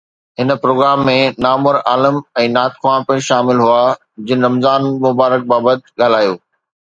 هن پروگرام ۾ نامور عالم ۽ نعت خوان پڻ شامل هئا جن رمضان المبارڪ بابت ڳالهايو